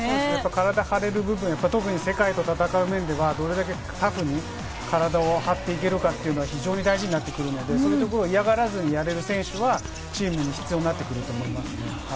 体を張れる部分、世界と戦う面ではどれだけタフに体を張っていけるかというのは非常に大事になってくるので、そういうところを嫌がらずやれる選手は、チームに必要になってくると思います。